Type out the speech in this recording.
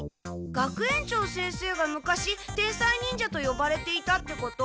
学園長先生が昔天才忍者とよばれていたってこと